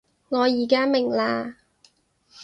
我而家明喇